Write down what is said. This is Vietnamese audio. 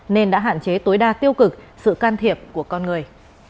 nên đã hạn chế tối đa tiêu cực sự can thiệp của con người